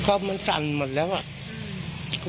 ก็มันสั่นหมดแล้วอ่ะ